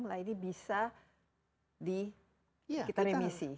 nah ini bisa kita remisi